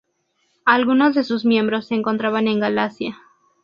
Algunos de sus miembros se encontraban en Galacia.